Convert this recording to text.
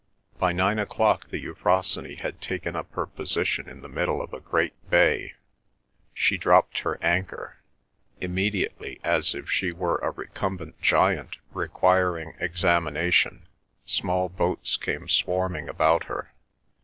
By nine o'clock the Euphrosyne had taken up her position in the middle of a great bay; she dropped her anchor; immediately, as if she were a recumbent giant requiring examination, small boats came swarming about her.